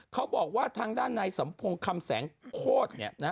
เขาบอกว่าทางด้านในสมพงษ์คำแสงโคตร